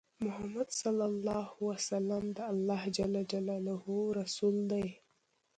محمد صلی الله عليه وسلم د الله جل جلاله رسول دی۔